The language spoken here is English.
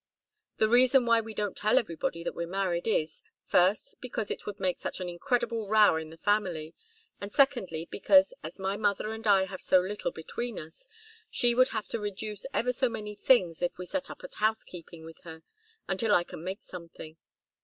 The reason why we don't tell everybody that we're married is, first, because it would make such an incredible row in the family, and secondly, because, as my mother and I have so little between us, she would have to reduce ever so many things if we set up at housekeeping with her, until I can make something.